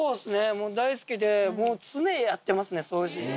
もう大好きで、常にやってますね、掃除。